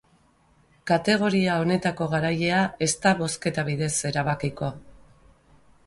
Kategoria honetako garailea ez da bozketa bidez erabakiko.